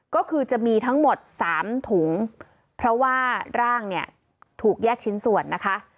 ก็คือจะมีทั้งหมด๓ถุงเพราะว่าร่างเนี่ยถูกแยกชิ้นส่วนนะคะ